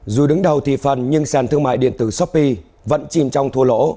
dù đứng đầu thị phần nhưng sàn thương mại điện tử shopee vẫn chìm trong thua lỗ